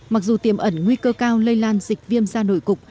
mặc dù tiềm ẩn nguy cơ cao lây lan dịch viêm da nổi cục